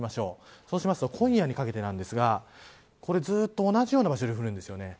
そうすると、今夜にかけてですがずっと同じような場所に降るんです。